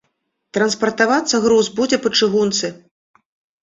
Транспартавацца груз будзе па чыгунцы.